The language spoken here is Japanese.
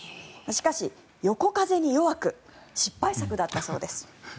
しかし、横風に弱く失敗作だったそうです。